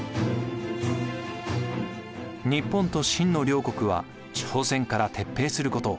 日本と清の両国は朝鮮から撤兵すること。